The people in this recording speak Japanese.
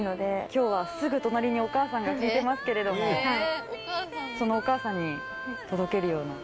今日はすぐ隣にお母さんが聴いてますけれどもそのお母さんに届けるような。